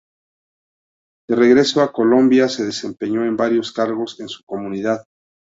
De regreso a Colombia se desempeñó en varios cargos en su comunidad.